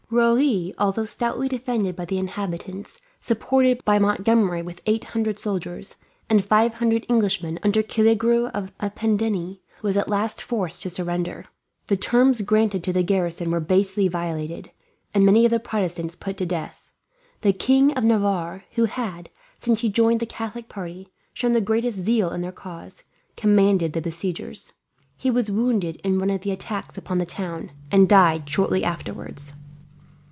Rouen, although stoutly defended by the inhabitants, supported by Montgomery with eight hundred soldiers, and five hundred Englishmen under Killegrew of Pendennis, was at last forced to surrender. The terms granted to the garrison were basely violated, and many of the Protestants put to death. The King of Navarre, who had, since he joined the Catholic party, shown the greatest zeal in their cause, commanded the besiegers. He was wounded in one of the attacks upon the town, and died shortly afterwards.